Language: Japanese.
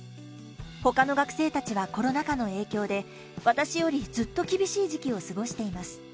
ほかの学生たちはコロナ禍の影響で、私よりずっと厳しい時期を過ごしています。